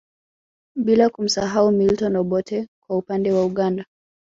Bila kumsahau Milton Obote kwa upande wa Uganda